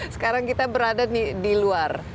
sekarang kita berada di luar